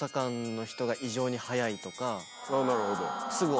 なるほど。